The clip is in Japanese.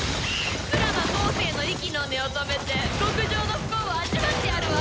鞍馬光聖の息の根を止めて極上の不幸を味わってやるわ！